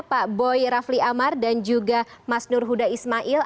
pak boy rafli amar dan juga mas nur huda ismail